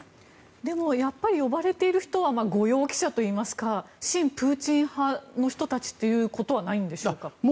でも呼ばれている人たちは御用記者といいますか親プーチン派の人たちということはないんでしょうか？